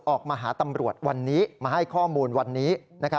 ออกมาหาตำรวจวันนี้มาให้ข้อมูลวันนี้